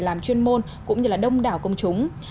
làm chuyên môn cũng như là đông đảo công chúng